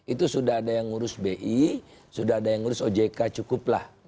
itu sudah ada yang ngurus bi sudah ada yang ngurus ojk cukuplah